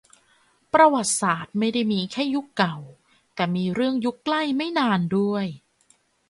ประวัติศาสตร์ไม่ได้มีแค่ยุคเก่า แต่มีเรื่องยุคใกล้ไม่นานด้วย